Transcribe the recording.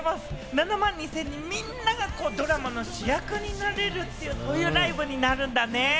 ７万２０００人みんながドラマの主役になれる、そういうライブになるんだね。